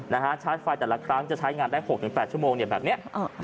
ชาร์จไฟแต่ละครั้งจะใช้งานได้๖๘ชั่วโมงแบบนี้